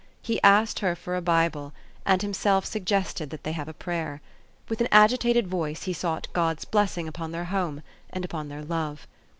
He asked her for a Bible, and himself suggested that they have prayer. With an agitated voice he sought God's blessing upon their home and upon their love.